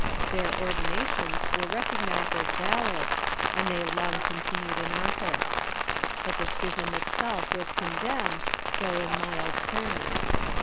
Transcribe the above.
Their ordinations were recognized as valid, and they long con tinued in office. But the schism itself was condemned, though in mild terms.